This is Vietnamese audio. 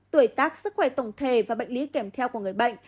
tuổi tác sức khỏe tổng thể và bệnh lý kèm theo của người bệnh